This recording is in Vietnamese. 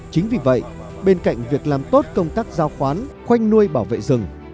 chính vì vậy bên cạnh việc làm tốt công tác giao khoán khoanh nuôi bảo vệ rừng